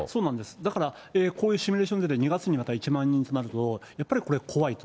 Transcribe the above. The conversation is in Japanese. だから、こういうシミュレーション出て、２月にまた１万人となると、やっぱりこれ、怖いと。